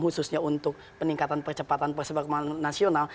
khususnya untuk peningkatan percepatan persebakman nasional